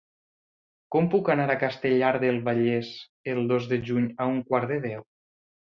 Com puc anar a Castellar del Vallès el dos de juny a un quart de deu?